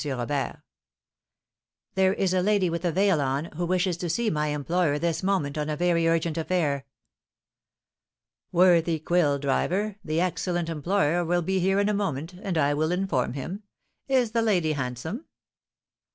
Robert). "There is a lady with a veil on, who wishes to see my employer this moment on a very urgent affair." "Worthy quill driver, the excellent employer will be here in a moment, and I will inform him. Is the lady handsome?"